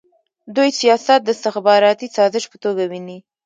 دوی سیاست د استخباراتي سازش په توګه ویني.